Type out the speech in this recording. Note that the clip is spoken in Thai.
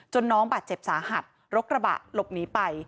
น้องบาดเจ็บสาหัสรกระบะหลบหนีไป